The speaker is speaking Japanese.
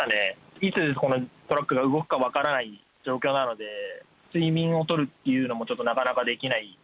いつトラックが動くか分からない状況なので、睡眠を取るっていうのも、ちょっとなかなかできない。